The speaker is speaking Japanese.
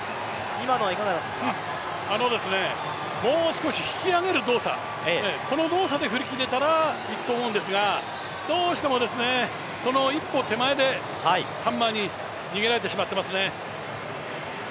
もう少し引き上げる動作、この動作で振り切れたらいくと思うんですが、どうしてもその一歩手前でハンマーに逃げられてしまってますね。